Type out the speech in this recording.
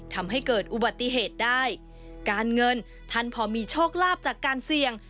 ทำให้เกิดอุบัติเหตุได้การเงินท่านพอมีโชคลาภจากการเสี่ยง